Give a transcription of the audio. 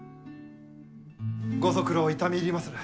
ご足労痛み入りまする。